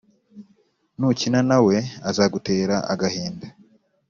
nukina na we, azagutera agahinda.